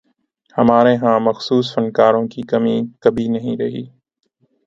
ہمارے ہاں مخصوص فنکاروں کی کمی کبھی نہیں رہی۔